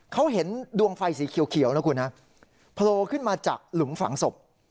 เขาเห็นดวงไฟสีเขียวนะคุณฮะโผล่ขึ้นมาจากหลุมฝังศพ